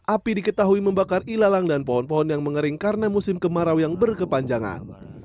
api diketahui membakar ilalang dan pohon pohon yang mengering karena musim kemarau yang berkepanjangan